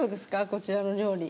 こちらの料理。